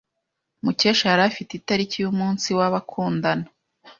Mukesha yari afite itariki yumunsi w'abakundana.